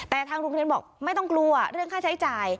แต่ทางโรงเรียนบอกไม่ต้องกลัวเรื่องค่าใช้จ่าย